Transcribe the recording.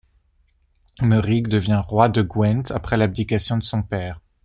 Meurig devient roi de Gwent après l'abdication de son père.